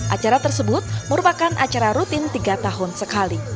acara tersebut merupakan acara rutin tiga tahun sekali